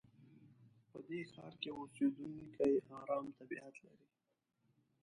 په دې ښار کې اوسېدونکي ارام طبیعت لري.